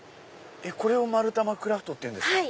これをまるたまクラフトっていうんですか？